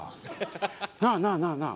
なあなあなあなあ。